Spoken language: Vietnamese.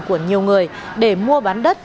của nhiều người để mua bán đất